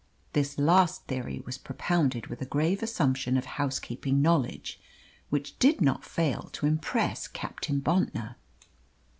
This last theory she propounded with a grave assumption of housekeeping knowledge which did not fail to impress Captain Bontnor.